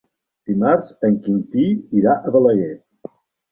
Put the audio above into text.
Dimarts en Quintí irà a Balaguer.